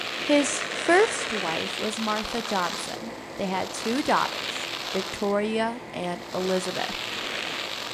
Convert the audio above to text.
His first wife was Martha Johnson; they had two daughters, Victoria and Elizabeth.